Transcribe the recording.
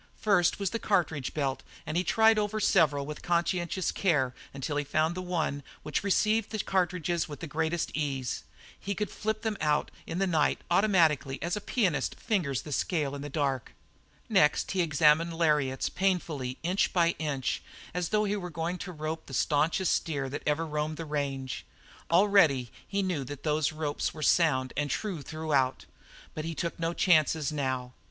The first was the cartridge belt, and he tried over several with conscientious care until he found the one which received the cartridges with the greatest ease. He could flip them out in the night, automatically as a pianist fingers the scale in the dark. Next he examined lariats painfully, inch by inch, as though he were going out to rope the stanchest steer that ever roamed the range. Already he knew that those ropes were sound and true throughout, but he took no chances now.